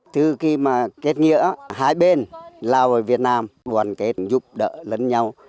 từ khi mà kết nghĩa hai bên lào ở việt nam đoàn kết giúp đỡ lẫn nhau